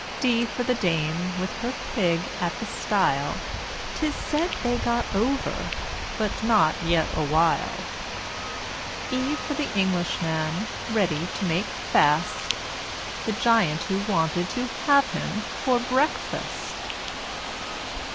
D for the DAME with her pig at the stile, 'Tis said they got over, but not yet a while. [Illustration: EFG] E for the Englishman, ready to make fast The giant who wanted to have him for breakfast.